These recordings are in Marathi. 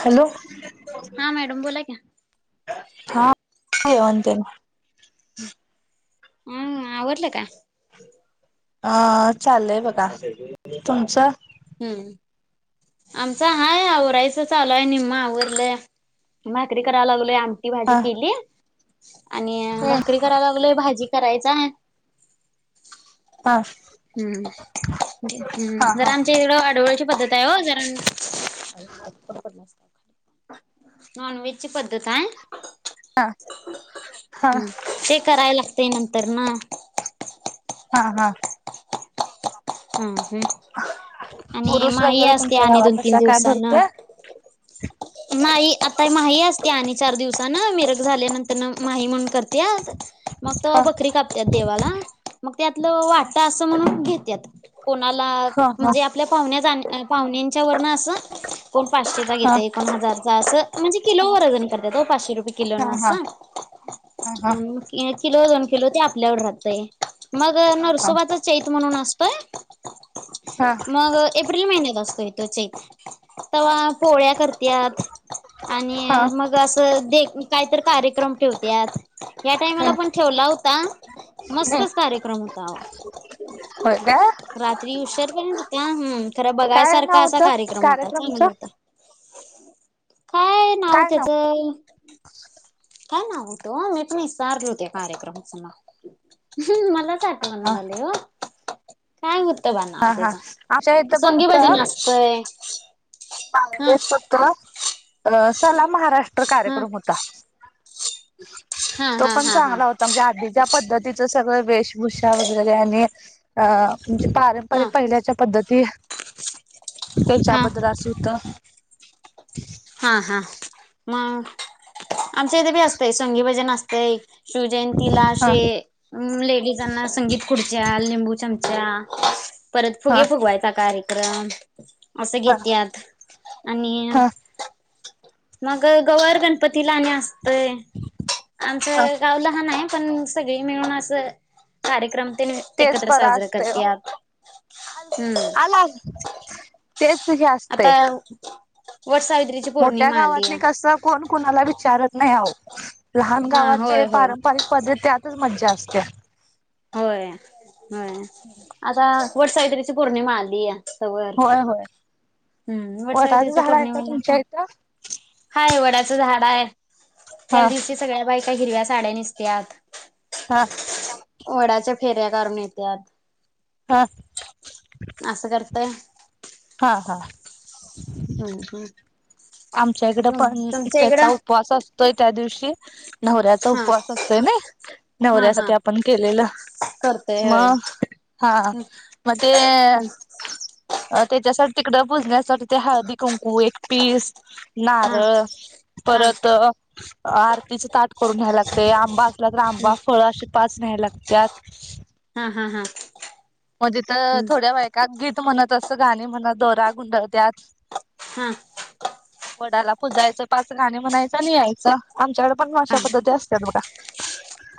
हॅलो हा मॅडम बोला की हा [inaudible] [unintelligible] हा आवडलं का अ चालेय बघा तुमचं हम्म आमचं हाय आवरायच चालूय निम्मा आवरलं भाकरी करायला लागलोय हा भाजी केली आणि हा भाकरी कराला लागल भाजी करायच आहे हा हा हम्म हम्म जम ळ पद्ज प हा हा हम्म ते करायला ते नंतर ना हा हा हम्म आणि उरुस माही वगैरे असते तुमच्या आणि दोन गावात तीन असा काय दिवसाना भरतोय नाही आता मा असते आणि चार दिवसान मिरघ झाल्यानंतर म्हण त्यात मग त हा बकरी कापत देवाला मग त्यातलं वाट असं म्हणून घेत त कोणाला हा हा म्हणजे आपल्या पाण्या जा पाहण्यांच्या व ना असं कोण पाचशेचा हा हा घेत एकोण हजारचा असं म्हणजेिलो वजन करात तो पाशे रुये को नाश हा हा हा किलो दोन किलो ते आपल्यावर राहतय मग हा नरसोबातच येत म्हणून पय हा हा मग एप्रिल महिन्या बसतो तोचे तेव्हा पोळ्या करतत हा आणि हम्म मग असं दे काहीतरी कार्यक्रम ठेवतत या टायमाला पण ठेवला होता हम्म मस्तच कार्यक्रम हो दव होय काय रात्री हुशार पण त्या हम् खर काय बघायसारखा नाव असा होतं कार्यक्रम होता चांगले कार्यक्रमचं होता ह काय नाव त्याचं काय नाय होतो मी पण वितारल ते कार्यक्रम मलाच हा आठवण हा झालंय हो काय होत काय बाय नाव हा हा त्याचा आमच्या संगीबाजी आसतय त अ सलाम महाराष्ट्र कार्यक्रम हा होता तो हा पण हा हा चांगला होता म्हणजे आधी ज्या पद्धतीचा सगळ वेशभूषा वगैरे आणि म्हणजे पारंपरिक हा पहिल्याच्या पद्धती हा हा त्यांच्याबद्दल का [inaudible] हा हा मग आमच्या इथे बी असतेय संगी भजन असते. शिवजयंतीला हा असे लेडीजांना संगीत खुर्च्या लिंबू चमचे. [unintelligible] परत हा फुगे फुगवायचा कार्यक्रम क्रम असं हा घेत्यात. आणि हा मग गवर गणपती लाण्यास ते आमच हा गाव लहान आहे. पण सगळी मिळून असं कार्यक्रम. ते तेच एकत्र बरं साजरा आसतय ओ करत्यात हम्म आला. तेच असत. आता वट सावित्रीची पौर्णिमा आली आहे. कुणाला विचारत नाही आवो. लहान हा गावात जे होय होय पारंपरिक पद्धती त्यातच मज्जा असते. असत्या होय होय आता वट सावित्रीची पौर्णिमा आली य होय होय. हम्म वटाचं वटसावित्रीच्या झाड आहे का पौर्णिमेला तुमच्या पण इथं हाय वड्याचं झाड आहे त्या हा दिवशी सगळ्या बाईका का हिरव्या साड्या नेसत्यात. हा. वडाच्या फेऱ्या घालून येत्यात. हा. असं करतय. हा हम्. हम्. आमच्याकडे पण त्याचा इकडं उपवास असतोय त्या दिवशी. ह [inaudible] नवऱ्याचा हा उपवास असतो नाही, हा हा नवऱ्यासाठी आपण केलेलं करतोय होय मग हा हम्म मग ते, अ त्याच्यासाठी तिकडं पुजण्यासाठी ते हळदी कुंकू एक पीस ह [inaudible] हा नारळ, हा हा परत, आरतीचे ताट करून घ्यायला लागतय, आंबा आंबा, फळं, अशे पाच न्याय लाग त्यात हा. हा. हा. म तिथ थोड्या बायकाात गीत म्हणत तसं गाणी म्हणत, दोरा गुंडळत्यात, हम. वडाला पुजायचं पाच गाणी म्हणायचं आणि यायचं आमच्याकडे पण हा अशा पद्धती असतात बघा.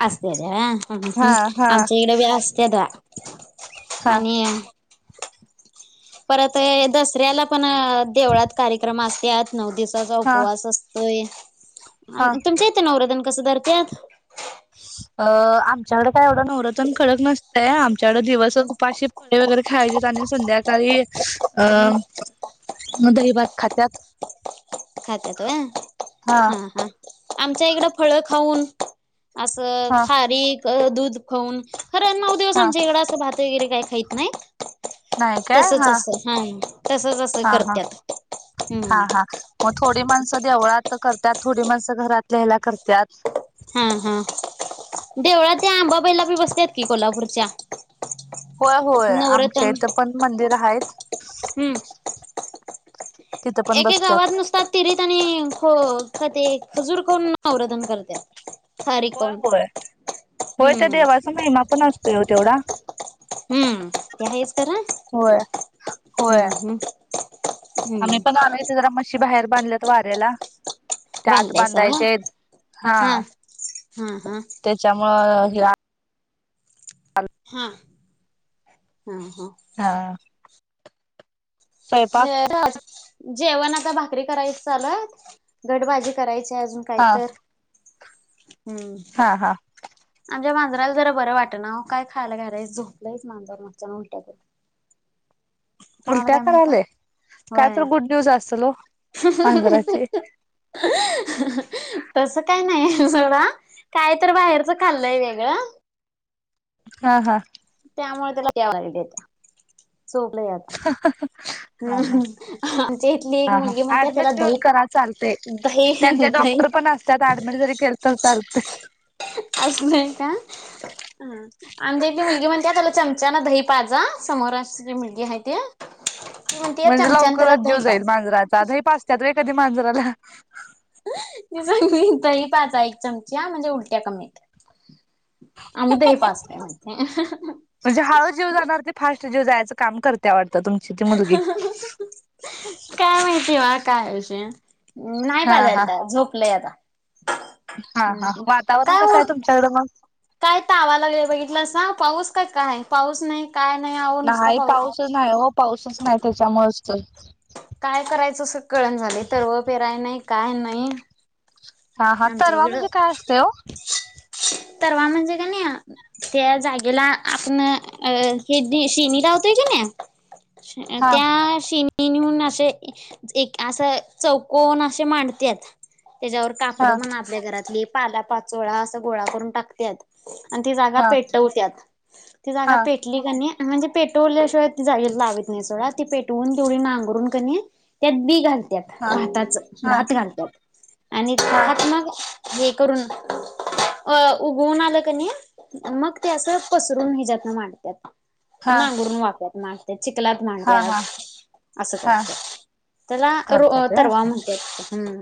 असते अद वा ह् हा हा आमच्या इकडे बी असत्यात [unintelligible] हा आणि- परत दसऱ्याला पण देवळात कार्यक्रम असत्यात. नऊ दिवसाचा हा उपवास असतोय. म हा तुमच इते नवरतन कसं धरत्यात अ.. आमच्याकडे काय एवढ नवरतन खडक नसतय, आमच्याकडे दिवस उपाशी वैगरे [unintelligible] खायचे आणि संध्याकाळी हम्. [inaudible] म दही भात खात्यात, खात्यात होय, हा. हा. आमच्याइकडं फळ खाऊन अस हा खारीक, अ.. दूध खाऊन, खर नऊ दिवस हा आमच्या इकडं भात वगैरे काय खाहीत नाहीत. नाही काय तसच असंत, हा तसच असं हा हा करत्यात. हा हम्म. हा मग थोडी माणसं देवळात त्यात थोडी माणसं घरातल्या हेला करत्यात, हा हा देवळाात त्या आंबाबाईला बी बसत की कोल्हापूरच्या होय होय आमच्या नवरतन इथं पण मंदिर आहेत हम्म तिथं पण एके गावात बसतात नुसतात तिरीत आणि ख का ते खजूर करून नरोधन करत होय होय होय तर हम्म देवाचा महिमा पण असतोय तेवढा हम्म त्या होय होय हम्म हम्म आम्ही हम्म पण आलय जरा मच्शी बाहेर बांधल्यात तवारेला त्या आत बांधलायसा होय बांधायचे हा हा हा त्याच्यामुळं हे आ हा हा हा स्वयंपाक ह जेवण आता भाकरी करायच चालत घटभजी करायची अजून हा काहीत हा हा माझ्या मजराला जरा बरं वाट ना काय खायला घरयस झोपलंय मांजर मगच्या उलट्याक तुम्हाला उलट्या काय माहित आहे करायले काय होय तर गुड न्यूज असेल ओ मांजराची तस काय नाही काय तर बाहेरचं खाल्लंय वेगळं हा हा त्यामुळे त्याला दवा देत ह हा हा हम्म आमच्या इथली एक हा ह मुलगी म्हणते त्याला ऍडमिट दही घऊन करा चालते दही त्यांचे डॉक्टर दही पण असतात ऍडमिट जरी केलं तर चालते आणिली मुलगी म्हणतेला चमचा ना दही पाजा समोर मुलगी आहे ती म्हणते म्हणजे चमचान त्याला लवकरच जीव दही जाईल पाजा मांजराचा आ पाचत्यात व एाधी मांजर झाला त तही पाचा एक चमची ह म्हणजे उलट्या कमीत म्हणजे हळू जीव जाणार ते फास्ट जीव जायचं. काम करतिया वाटत. काय माहिती वा काय विषय नाही हा हा पाजल त्या झोपलंय आता हा हा वातावरण काय कस आहे ऊन तुमच्याकड मग? काय तावा लागलय बघितलंसां पाऊस काय काय पाऊस नाही. काय नाही अहो नुसता नाही पाऊस पाऊसच नाही हो पाऊसच नाही त्याच्यामुळच काय करायचं अस कळना झालय तरव पेराय नाही. काय नाही. हा हा आमच्या तरवा इकडं म्हणजे काय असतय हो? तरवा म्हणजे कनी त्या जागेला आपण हे शेनी रावतोय कनी हा त्या शेणी नि म्हणून असे एक अस चौकोन असे मांडत्यात त्याच्यावर हा [unintelligible] पाला पाचोळा असा गोळा करून टाकत्यात. आणि ती जागा हा पेटवत्यात. ती हा जागा पेटली कनी म्हणजे पेटवल्याशिवाय जाय लावत नाही सोडा ती पेटवून तेवढी नांगरून कनी त्यात बी घाल हा भाताच हा भात घालत्यात आणि हा ह्यात मग हे करून उगवून आलं कनी मग ते असं पसरून ह्यच्यातन मांडत्यात. हा नांगरून वाकत मा चिखलात हा मांत्यात हा असं हा करत्यात त्याला रो करतात व्हय तरवा म्हणत्यात हम्म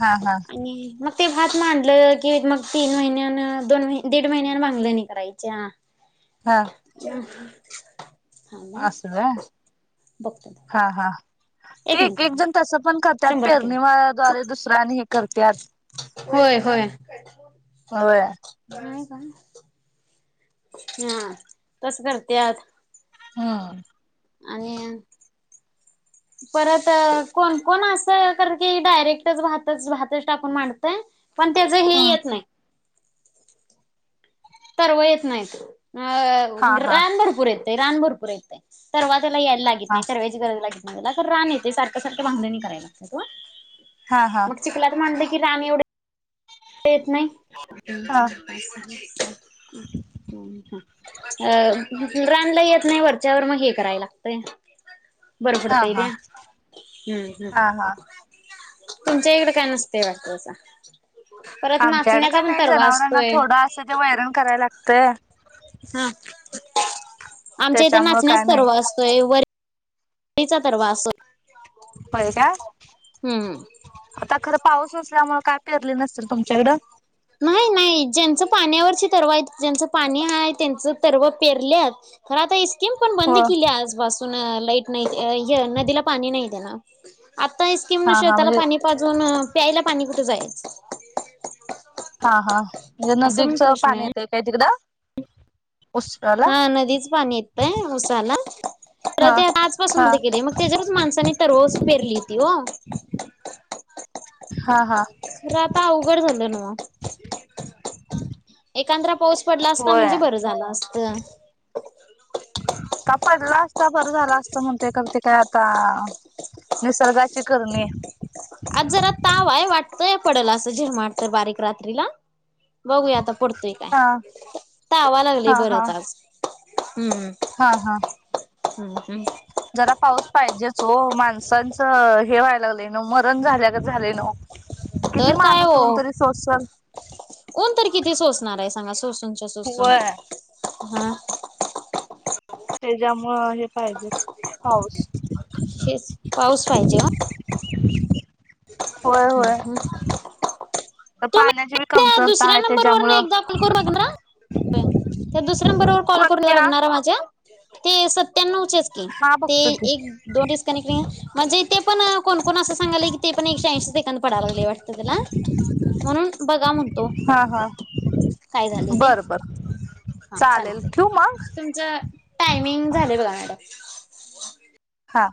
हा हा आणि मग ते भात मांडलं की मग तीन महिन्यान दोन महि दीड महिन्यान बांगलंनी करायच्या. [inaudible] थांबा अस होय बघतो हा हा ते एक एक जन तस पन करतात शंभर टक्के पेरणीमा द्वारे दुसऱ्या आनी हे करत्यात होय होय. नाहीय का? हा तस करत्यात. हं आणि परत कोण कोण असं कर की डायरेक्टच भातच भातच टाकून मांडतय. पण त्याच हे हम्म येत नाही. तरव येत नाहीत. हा अं हा ग्रांद भरपूर आहेत. ते रान भरपूर येतय. परवा त्याला यायला हा लागत हा नाही पर्वाची गरज लागल. मला तर रान येतय सारख सारख बांधणी करायला लागतात हो. हा हा मग चिकलात मांडलं कि तिला आम्ही एवढ. येत नाही. [unintelligible] हा [unintelligible] अ रानला येत नाही वरच्यावर मग हे कराय लागतय. बरबडतय ते हा हम्मं हम्मं. हा हा तुमच्या इकडे काय नसतय वाटतं. आमच्याकड का नाही जनावरांना असतोय थोडं असं ते वैरन करायला लागतंय. हां [inaudible] आमच्या इथ त्याच्यामुळं नाचण्यास काय नाही सर्व असतोय. आई चा तरवा असो. होय का हम्म. आता खरं पाऊस नसल्यामुळे काय. पेरले नस. [unintelligible] नाही नाही ज्यांचं पाण्यावर तरव आहेत ज्यांचं पाणी आहे त्यांच तरव पेरले तर आता. स्कीम पण बंद हो केली आजपास तून लाईट. नाही य नदीला पाणी नाही दे ना. आता सस्कीम न हा हा शेताला म्हणजे पाणी पाजून प्यायला. पाणी कुठ जायच? हां हां असं नदीच पण प्रश्न पाणी आहे. येत आय काय तिकडं. उसळला हा नदीच पाणी येतंय उसाला तर हा ते आजपासून हा होत की रे मग त्याच्यावरच माणसानी तरवस पेरली ती हो. हा हा आता अवघड झालं ना म एककांद्र पाऊ. पडला असता होय म्हणजे बर झालं असत. का पडला असता बरं झाल असत म्हणतोय खर ते काय आता निसर्गाची करणी. आज जरा ताव आहे, वाटतंय पडल असं झीरमाट तर बारीक रात्रीला. बघूया आता पडतोय हा काय तावा लागलंय हा हा बरंच आज. हम्म. हा हा हम्म हम्म. जरा पाऊस पाहिजेच वो माणसांचं हे व्हायला लागलंय न मरण झाल्या गत झालय नव्ह. तर काय वो ऊन तरी किती सोचणार आहे सांगा सोस नच्या सोसून. होय हां. त्याच्यामुळं हे पाहिजेच पाऊस. हेच पाऊस पाहिजे वो होय होय. तर पाण्याची त्या कमतरता दुसऱ्या आहे नंबरवर न त्याच्यामुळं एकदा कॉल करून बघणारा? त्या दुसऱ्या नंबरवर कॉल करू कोणत्या बघणार माझ्या? ते सत त्यां नऊच्याच की हा ते बघतो की एक दोन डिस्कनेक्टिंग म्हणजे ते पण कोण-कोण असं सांगायल की ते पण एकशे ऐंशी ए पडाय लागले वाटत त्याला, म्हणून बघा. हा हा काय झाल ते बर बर चालेल चालतय ठेवू मग तुमच टायमिंग झालय बगा मॅडम. [inaudible] हा.